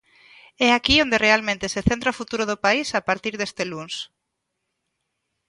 É aquí onde realmente se centra o futuro do país a partir deste luns.